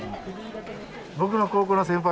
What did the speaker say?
僕の高校の先輩です。